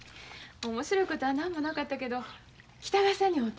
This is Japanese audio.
面白いことは何もなかったけど北川さんに会うた。